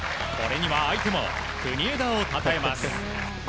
これには相手も国枝をたたえます。